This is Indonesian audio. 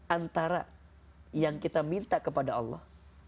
antara yang kita minta kepada allah